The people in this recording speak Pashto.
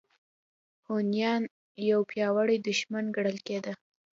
هونیان یو پیاوړی دښمن ګڼل کېده.